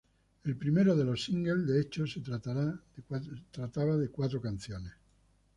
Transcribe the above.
El primero de los singles, de hecho, se tratará de cuatro canciones.